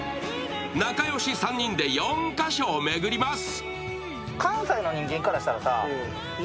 仲良し３人で４か所を巡ります。